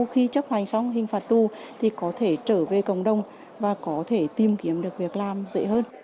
khi chấp hành xong hình phạt tù thì có thể trở về cộng đồng và có thể tìm kiếm được việc làm dễ hơn